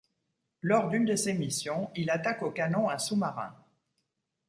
Lors d'une de ses missions, il attaque au canon un sous-marin.